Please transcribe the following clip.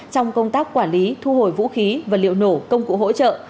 trong công tác quản lý thu hồi vũ khí và liệu nổ công cụ hỗ trợ